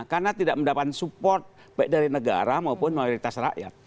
karena tidak mendapatkan support baik dari negara maupun mayoritas rakyat